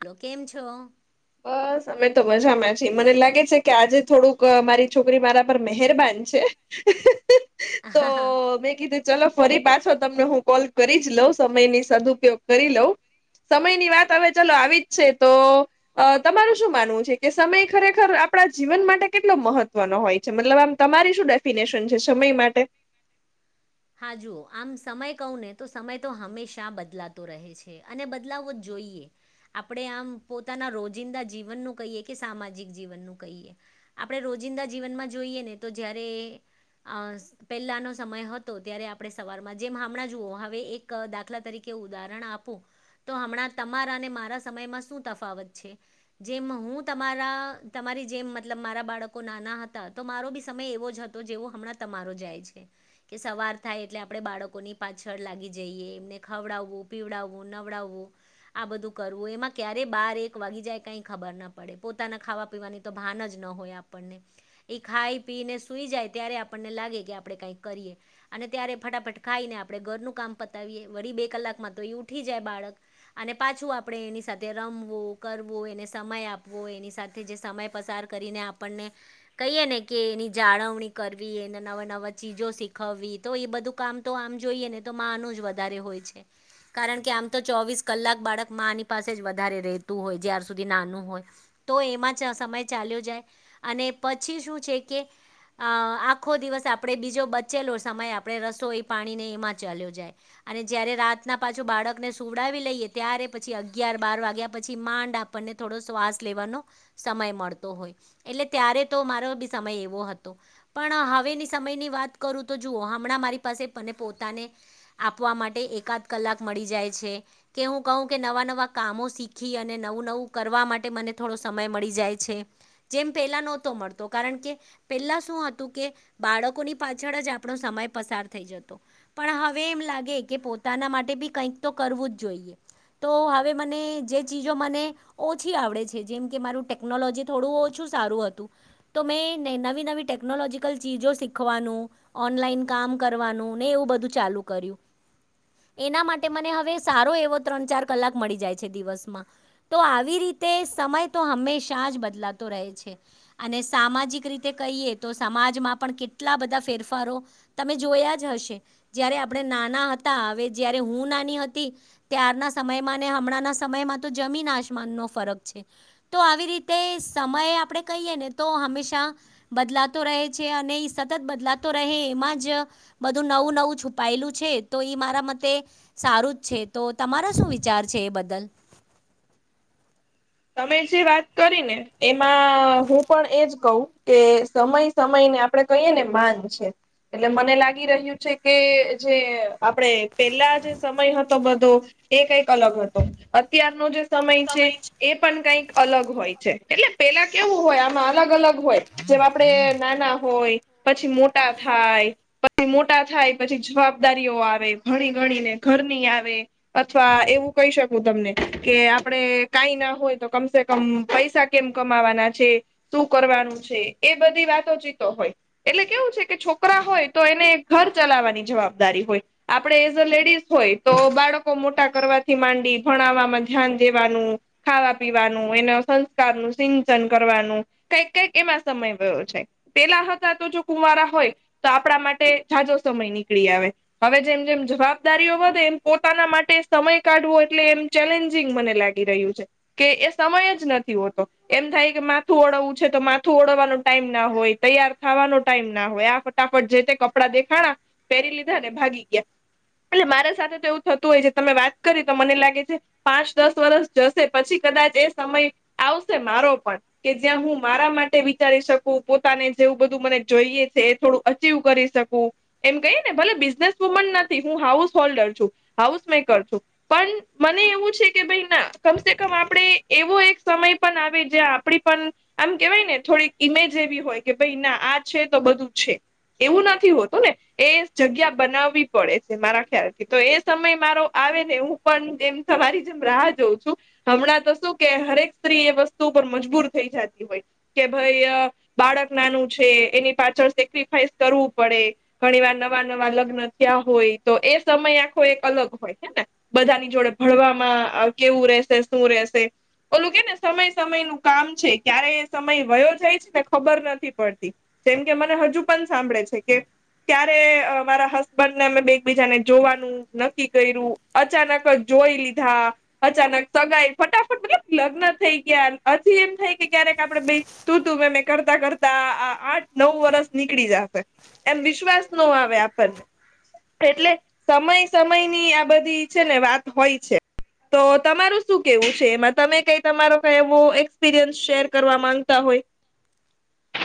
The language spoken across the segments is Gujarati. હલો કેમ છો. બસ અમે તો મજામાં છીએ મને લાગે છે કે આજે થોડુંક મારી છોકરી મારા પર મહેરબાન છે. [unintelligible] તો મેં કીધી ચાલો ફરી પાછો તમને હું કોલ કરી જ લઉં સમયની સદુપયોગ કરી લઉં. સમયની વાત હવે ચલો આવી જ છે તો આ તમારું શું માનવું છે કે સમય ખરેખર આપણા જીવન માટે કેટલો મહત્વનો હોય છે? મતલબ આમ તમારી શું ડેફિનેશન છે સમય માટે. હા જુઓ આમ સમય કહું ને તો સમય તો હંમેશા બદલાતો રહે છે અને બદલાવવો જોઈએ. આપણે આમ પોતાના રોજિંદા જીવનનું કહીએ કે સામાજિક જીવનનું કહીએ. આપણે રોજિંદા જીવનમાં જોઈએ ને તો જ્યારે આ પહેલાંનો સમય હત તો ત્યારે આપણે સવારમાં જેમ હમણાં જુઓ હવે એક દાખલા તરીકે ઉદાહરણ આપુ તો હમણાં તમારા અને મારા સમયમાં શું તફાવત છે. જેમ હું તમારા તમારી જેમ મતલબ મારા બાળકો નાના હતા તો મારો બી સમય એવો જ હતો તો જેવો હમણાં તમારો જાય છે. કે સવાર થાય એટલે આપણે બાળકોની પાછળ લાગી જઈએ એમને ખવડાવવું પીવડાવવું નવડાવવું આ બધું કરવું એમાં ક્યારેય બાર એક વાગી જાય કઈ ખબર ના પડે પોતાના ખાવા પીવાની તો ભાન જ ન હોય આપણને એ ખાઈ પીને સુઈ જાય ત્યારે આપણને લાગે કે આપણે કાઈ કરીએ. અને ત્યારે ફટાફટ ખાઈ ને આપણે ઘરનું કામ પતાવીયએ વરી બે કલાકમાં તો એ ઉઠી જાય બાળક. અને પાછું આપણે એની સાથે રમવું કરવુ અને સમય આપવો એની સાથે કે જે સમય પસાર કરીને આપણને કહીએ ને કે એની જાળવણી કરવી, એને નવી નવી વસ્તુઓ... જો શીખવું હોય તો એ બધું કામ આમ કરવું જોઈએ ને, તો માનવું વધારે હોય છે. કારણ કે આમ તો ચોવીસ કલાક બાળક માની પાસે જ વધારે રહેતું હોય છે, જ્યાં સુધી નાનું હોય. તો એમાં સમય ચાલ્યો જાય, અને પછી શું છે કે... આ આખો દિવસ આપણે બીજો બચેલો સમય આપડે રસોઈ પાણી ને એમજ ચાલ્યો જાય. અને જ્યારે રાત ના બાળકને સુવડાવી લઈએ ત્યારે અગિયાર-બાર વાગ્યા પછી માંડ આપ આપણને થોડો શ્વાસ લેવાનો સમય મળતો હોય એટલે ત્યારે તો મારો બી સમય એવો હતો પણ હવે ની સમયની વાત કરું તો જુઓ હમણાં મારી પાસે મને પોતાને આપવા માટે એકાદ કલાક મળી જાય છે. કે હું કહું કે નવા નવા કામો શીખી અને નવું નવું કરવા માટે મને થોડો સમય મળી જાય છે. જેમ પહેલા નહોતો મળતો, કારણ કે પહેલા શું હતું કે બાળકોની... પાછળ જ આપણો સમય પસાર થઈ જતો. પણ હવે એમ લાગે છે કે પોતાના માટે પણ કંઈક તો કરવું જ જોઈએ. તો હવે મને જે ચીજો ગમે છે, તે... ઓછું આવડતું હતું, જેમ કે મને ટેકનોલોજીનું થોડું ઓછું જ્ઞાન હતું. તો મેં નવી નવી ટેકનોલોજીકલ વસ્તુઓ શીખી. ને ઑનલાઇન કામ કરવાનું અને એવું બધું ચાલુ કર્યું. એના માટે મને હવે દિવસમાં સારા એવા ત્રણ-ચાર કલાક મળી જાય છે. તો આવી રીતે સમય તો હંમેશા જ બદલાતો રહે છે. અને સામાજિક રીતે કહીએ તો સમાજમાં પણ કેટલા... કેટલા બધા ફેરફારો તમે જોયા જ હશે. જ્યારે આપણે નાના હતા, હવે જ્યારે હું નાની હતી... ત્યારના સમય અને હમણાંના સમયમાં તો જમીન-આસમાનનો ફરક છે. તો આવી રીતે સમય, આપણે કહીએ ને, તો હંમેશા બદલાતો રહે છે. બદલાતો રહે છે અને સમય સાથે આપણે પણ બદલાતા રહીએ છીએ. સતત બદલાતો રહે, એમાં જ બધું નવું નવું છુપાયેલું છે. તો એ મારા મતે... સારું જ છે. તો તમારા શું વિચાર છે એ વિશે? તમે જે વાત કરી ને... એમાં હું પણ એ જ કહું કે સમય સાથે આપણે પણ બદલાતા રહીએ છીએ. એટલે મને લાગે છે કે જે... આપણે પહેલા જે સમય હતો, એ બધો કંઈક અલગ હતો. અત્યારનો સમય... સમય પણ કંઈક અલગ હોય છે. એટલે પહેલા જે સમય હતો, એ અને અત્યારનો સમય બંને અલગ છે. જેમ આપણે નાના હોઈએ, પછી મોટા થઈએ. પછી મોટા થાય પછી જવાબદારીઓ આવે ભણી ગણી ને ઘરની આવે.. અથવા એવું કહી શકું તમને કે આપણે... કંઈ ન હોય તો કમસે કમ પૈસા કેવી રીતે કમાવાના છે. શું કરવાનું છે, એ બધી વાતો શીખતો હોય. એટલે કેવું છે કે છોકરો હોય તો એને ઘર ચલાવવાની જવાબદારી હોય છે. આપણે એઝ અ લેડીઝ હોઈએ તો બાળકોને મોટા કરવાથી માંડીને તેમના ભણવામાં ધ્યાન આપવાનું હોય છે. ખાવા-પીવાનું, તેમના સંસ્કારોનું સિંચન કરવાનું, એ બધામાં જ સમય ગયો છે. પહેલા જ્યારે આપણે કુંવારા હોઈએ, ત્યારે આપણા માટે ઘણો સમય નીકળી આવે. હવે જેમ જેમ જવાબદારીઓ વધે છે, એમ પોતાના માટે સમય કાઢવો મને થોડો ચેલેન્જિંગ લાગે છે. કે એ સમયે સમય જ નથી હોતો. એમ થાય કે માથું ઓળવવાનો પણ સમય ન હોય, તૈયાર થવાનો સમય ન હોય અને ખાવાનો પણ સમય ન હોય. ફટાફટ જેઈ તે કપડાં દેખાણા પહેરી લીધા ને ભાગી ગયા. એટલે મારી સાથે તો એવું થતું હોય છે તમે વાત કરી તો મને લાગે છે પાંચ દસ વર્ષ - - જશે પછી કદાચ એ સમય આવશે મારો પણ. કે જ્યાં હું મારા માટે વિચારી શકું પોતાને જેવું બધું મને જોઈએ છે એ થોડું- - તેવુ કરી શકું. એમ કહી ને ભલે બિઝનેસ વુમન નથી હું હાઉસ હોલ્ડર છું હાઉસ મેકર છું. પણ મને એવું છે કે ભાઈ ના. કમસે કમ આપણેે એવો એક સમય પણ આવે જ્યાં આપણી પણ- - આમ કેવાય ને થોડીક ઈમેજ એવી હોય કે ભાઈ ના આ છે તો બધું છે. એવું નથી હોતું ને- - એ જગ્યા બનાવવી પડે છે મારા ખ્યાલથી તો એ સમય મારો આવે ને હું- - પણ જેમ તમારી જેમ રાહ જોઉં છું. હમણાં તો શું કે, હરેક સ્ત્રી એ વસ્તુ પર મજબૂર થઈ જતી હોય. કે ભાઈ, બાળક નાનું છે, એની પાછળ સેક્રિફાઈસ કરવું પડે. ઘણી વાર નવા નવા લગ્ન થયા હોય, તો એ સમય આખો એક અલગ હોય હે ને. બધાની જોડે ભણવામાં કેવું રહેેશે, શું રહેશે. ઓલું કે ને, સમય સમય નું કામ છે. ક્યારે એ સમય વયો જાય છે, તે ખબર નથી પડતી. જેમ કે, મને હજુ પણ સાંભળે છે કે. ત્યારે મારા હસબન્ડ ને અમે એક બીજાને જોવાનું નક્કી કર્યું. અચાનક જોઈ લીધા, અચાનક સગાઈ ફટાફટ, મતલ લગ્ન થઈ ગયા. હજી એમ થઈ કે ક્યારેક આપડે ભ તું તું, મે મેં કરતા કરતા આઠ-નવ વર્ષ નીકળી જા. એમ વિશ્વાસ ન આવે આપણને, એટલે સમય સમયની આ બધી છે ને વાત હોય છે, તો તમારું- - શું કેવું છે એમાં, તમે કંઈ તમારો કંઈ એવો એક્સપિરિયન્સ શેર કરવા માંગતા હોય?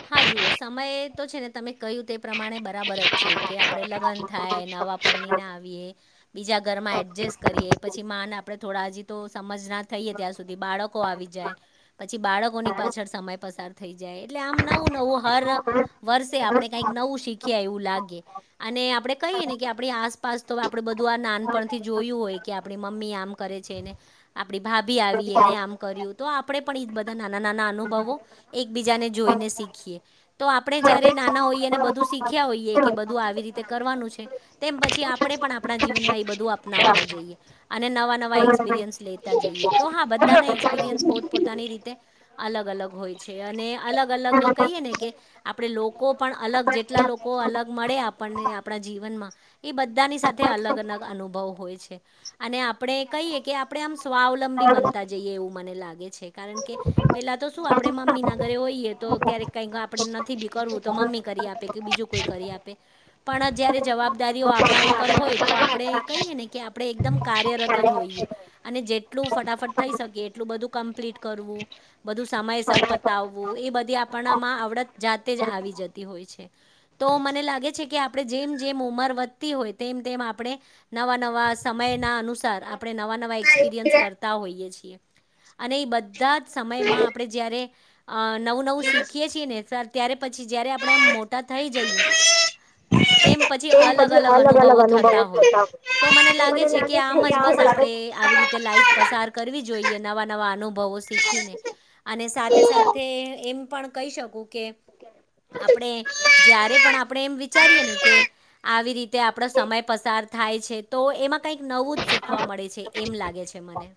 હા, જુઓ સમય તો છે ને, તમે કહ્યું તે- - પ્રમાણે બરાબર જ છે કે, આપણે લગ્ન થાય, નવા પરણી ના આવીએ. બીજા ઘરમાં એડજસ્ટ કરીએ, પછી માને આપણે થોડા હજી- - તો સમજ ના થઈએ ત્યાં સુધી બાળકો આવી જાય. પછી બાળકોની પાછળ સમય પસાર થઈ જાય, એટલે આમ નવું નવું હર- - વર્ષે આપણે કંઈક નવું શીખીએ એવું લાગે. અને આપડે કહીએ ને કે, આપણી આસપાસ તો આપડે બધું આ નાનપણથી જોયું હોય. કે, આપણી મમ્મી આમ કરે છે એને. આપણી ભાભી આવી, એણે આમ કર્યું, તો આપણે પણ એ બધા નાના નાના અનુભવો એકબીજાને- - જોઈને શીખીએ. તો આપણે જ્યારે નાના હોઈએ અને બધું શીખ્યા હોઈએ, કે બધું આવી રીતે કરવાનું છે. તેમ પછી આપણે પણ આપણા જીવનમાં એ બધું અપનાવતા જઈએ. અને નવા નવા એક્સપિરિયન્સ લેતા જઈએ. તો હા, બધાના એક્સપિરિયન્સ પોતપોતાની રીતે અલગ અલગ હોય છે અને અલગ અલગ કઇએ ને કે. આપડે લોકો પણ અલગ, જેટલા લોકો અલગ મળે આપણને આપડા જીવનમાં એ બધાની સાથે અલગ અલગ અનુભવ હોય છે અને આપણે કહીએ કે આપણે આમ સ્વાવલંબી બનતા જઈએ, એવું મને લાગે છે. કારણ કે પેલા તો શું, આપણેે મમ્મી ના ઘરે હોઈએ. તો ક્યારેક કંઈક આપણે નથી બી કરવું, તો મમ્મી કરી આપે કે બીજું કોઈ કરી આપે. પણ જ્યારે જવાબ- - જવાબદારી આપણા ઉપર હોય, તો આપણે કહીએ ને કે, આપણે એકદમ કાર્યરત જ હોઈએ. અને જેટલું ફટાફટ થઈ શકે, એટલું બધું કમ્પ્લીટ કરવું, બધું સમયસર પતાવવું. એ બધી આપણા માં આવડત જાતે જ આવી જતી હોય છે. તો મને લાગે છે કે, આપણે જેમ જેમ ઉંમર વધતી હોય, તેમ તેમ આપણે- - નવા નવા સમયના અનુસાર, આપણે નવા નવા એક્સપિરિયન્સ કરતા હોઈએ છીએ. અને એ બધા જ સમયમાં, આપણે જયારે અ નવું નવું- - શીખીએ છીએ ને, સર, ત્યારે પછી જયારે આપણે આમ મોટા થઈ જઈએ. ટાઈટલ ન હોવાથી મુકવામાં આવી નથી તેમ પછી અલગ અલગ અનુભવો થતા હોય. તો મને લાગે છે કે, આમ જ બસ આપડે આવી રીતે લાઈફ પસાર કરવી જોઈએ નવા નવા અનુભવો શીખીને અને સાથે સાથે એમ. પણ કંઇ શકું કે આપડે જ્યારે પણ આપડે એમ વિચારીએ ને કે આવી રીતે આપડો સમય પસાર થાય છે તો એમાં કંઈક નવું જ શીખવા મળે છે એમ લાગે છે મને.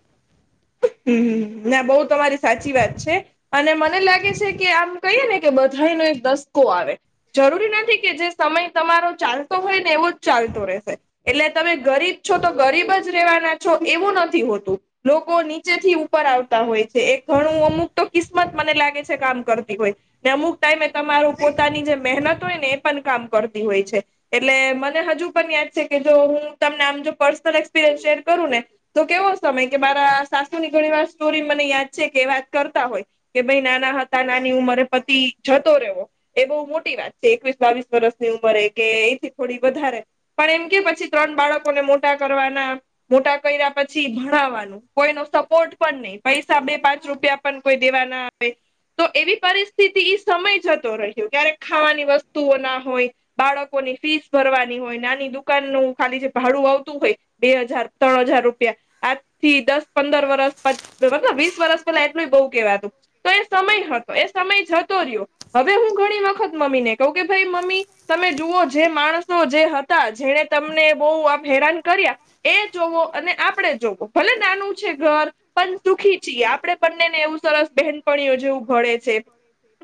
હું હું ના બઉ તમારી સાચી વાત છે. અને મને લાગે છે કે, આમ કઇએ ને કે, બધાયનો એક દસકો આવે. જરૂરી નથી કે, જે સમય તમારો ચાલતો હોય ને, એવો જ ચાલતો રેહશે. એટલે તમે ગરીબ છો તો ગરીબ જ રેવાના છો એવું નથી હોતું. લોકોની નીચે થી ઉપર આવતા હોય છે, એક ઘણું અમુક તો કિસ્મત મને લાગે છે કામ કરતી હોય. ને અમુક ટાઈમે તમારું પોતાની જે મેહનત હોય ને એ પન કામ કરતી હોય છે. એટલે મને હજુ પન યાદ છે કે જો હું તમને આમ જો પર્સનલ એક્સપિરિયન્સ શેર કરું ને. તો કેવો સમય કે મારા સાસુ ની ઘણી વાર સ્ટોરી મને યાદ છે કે વાત કરતા હોય કે ભઈ નાના હતા નાની ઉંમરે પતિ ઝતો રયો. એ બઉ મોટી વાત છે એકવીસ બાવીસ વરષની ઉંમરે કે એથી થોડી વધારે પણ એમ કે પછી ત્રણ બાળકોને મોટા કરવાના મોટા કયરા પછી ભણાવવાનું કોઈ નો સપોર્ટ પન ની પૈસા બે પાંચ રૂપિયા પન કોઈ દેવા ના આવે. તો એવી પરિસ્થિતિ ઇ સમય જતો રહ્યો ક્યારેક ખાવાની વસ્તુઓના હોય. બાળકોની ફીસ ભરવાની હોય નાની દુકાનનું ખાલી જે ભાડું આવતું હોય. બે હઝાર ત્રણ હઝાર રૂપિયા આજ થી દસ પંદર વરસ પચ મતલબ વીસ વર્ષ પેલા એટલુંય બઉ કેવાતું. તો એ સમય હતો એ સમય ઝતો રિયો હવે હું ઘણી વખત મમ્મી ને કઉ કે ભઈ મમ્મી તમે જુઓ જે માણસનો જે હતા જેણે તમને બઉ આપ હેરાન કર્યા એ જોવો અને આપડે જોવો ભલે નાનું છે ઘર પન દુખી છીએ આપડે બંનેને એવું સરસ બહેનપણીઓ જેવું ભળે છે.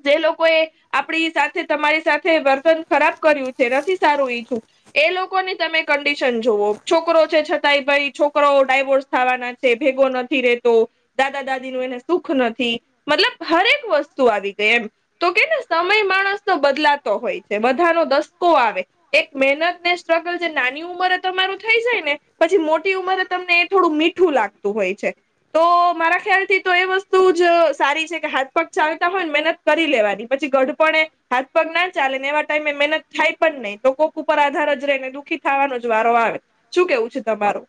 જે લોકો એ. આપડી સાથે તમારી સાથે વર્તન ખરાબ કર્યું જે નથી સારું ઈછું. એ લોકોની તમે કંડિશન જોવો છોકરો છે છતાંય ભાઈ છોકરોઓ ડાયવોર્સ થાવાના તે ભેગો નથી રેતો. દાદા-દાદીનું એને સુખ નથી મતલબ હરેક વસ્તુ આવી ગઈ એમ. તો કેને સમય માણસનો બદલાતો હોય છે બધાનો દસકો આવે. એક મેહનત ને સ્ટ્રગલ જે નાની ઉંમરે તમારું થઈ જાય ને પછી મોટી ઉંમરે તમને એ થોડું મી. ઠું લાગતું હોય છે. તો મારા ખ્યાલ થી તો એ વસ્તુ જ સારી છે કે હાથ પગ ચાલતા હોય ને મહેનત. કરી લેવાની પછી ગડપણે હાથ પગ ના ચાલે ને એવા ટાઈમે મહેનત થાય પણ નહી તો કોક ઉપર આધાર જ રહીને દુઃખી થવાનો જ વારો આવે. શું કેવું છે તમારું?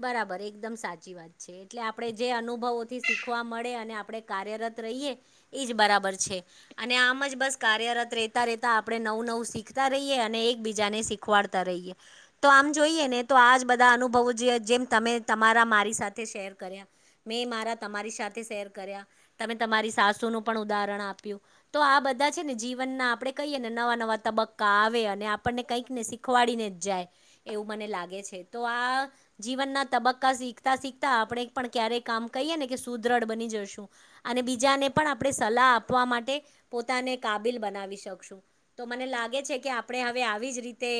બરાબર એકદમ સાચી વાત. છે એટલે આપડે જે અનુભવોથી શીખવા મળે અને આપડે કાર્યરત રયીએ. ઇજ બરાબર છે. અને આમ જ બસ કાર્યરત રેતા રેતા આપડે નવું નવું શીખતા રયીએ અને એકબીજાને શીખવાડ. તા રયીએ તો આમ જોઈએ ને તો આજ બધા અનુભવો જે જેમ તમે તમારા મારી સાથે શેર કર્યા મેં મારા તમારી સાથે શેર કર્યા તમે તમારી સાસુનું પણ ઉદાહરણ આપ્યું. તો આ બધા છે ને જીવનના આપડે કહીએ ને નવા નવા તબક્કા આવે અને આપણને કંઈક ને શીખ ખવાડીને જ જાય એવું મને લાગે છે. તો આ. જીવનના તબક્કા શીખતા શીખતા આપડે પણ ક્યારેય કામ કઇએને કે સુદ્રઢ બની જશું. અને બીજાને પણ આપડે સલાહ આપવા માટે પોતાને કાબિલ બનાવી શકશું. તો મને લાગે છે કે આપડે હવે આવી જ રીતે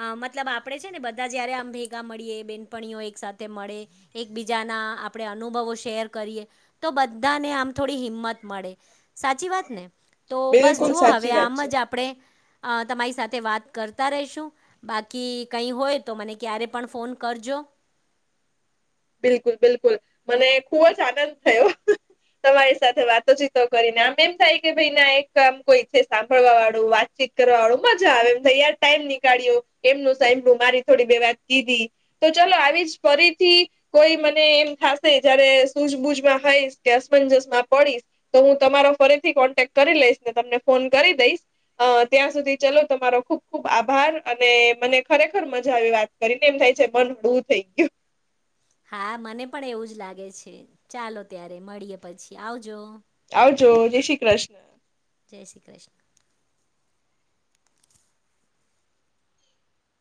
અ મતલબ આપડે છે, ને બધા જયારે આમ ભેગા મળીએ બેન. પણીઓ એક સાથે મળે એકબીજાના આપણે અનુભવો શેર કરીએ. તો બધાને આમ. થોડી હિંમત મળે. સાચી વાત ને? તો બસ બિલકુલ જુઓ હવે સાચી વાત આમ છે જ આપણે અ તમારી સાથે વાત કરતા રહીશું. બાકી કઈ હોય તો મને ક્યારે પણ ફોન કરજો. બિલકુલ બિલકુલ. મને ખુબ જ આનંદ થયો. તમારી સાથે વાતોચીતો કરીને આમ એમ થાય કે ભાઈને એક આમ કોઈ છે, સાંભળવા વાળું વાત. તે કરવા વાળું મજા આવે એમ યાર ટાઈમ નીકળ્યો એમનું સાહે મારી થોડી બે વાત કીધી. તો ચાલો આવી જ ફરીથી કોઈ મને એમ થાશે જયારે સૂઝબૂજમાં હઈશ કે અસમંજસ માં પડીશ. તો હું તમારો ફરીથી કોન્ટેક્ટ કરી લઈશ ને તમને ફોન કરી દઈશ. અ ત્યાં સુધી ચલો તમારો ખુબ ખુબ આભાર અને મને ખરેખર મજા આવી વાત. કરીને એમ થાય છે, પન બહુ થઈ ગયું. હા મને પણ એવું જ લાગે છે. ચાલો ત્યારે મળીએ પછી આવજો. આવજો. જય શ્રી કૃષ્ણ. જય શ્રી કૃષ્ણ.